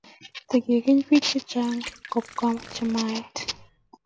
tikekeni bik chechang kobwa chamait